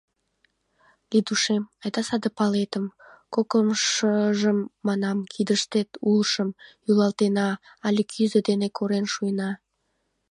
— Лидушем, айда саде палетым, кокымшыжым, манам, кидыштет улшым, йӱлатена але кӱзӧ дене корен шуэна.